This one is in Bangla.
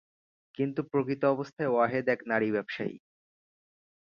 কিন্তু প্রকৃত অবস্থায় ওয়াহেদ এক নারী-ব্যবসায়ী।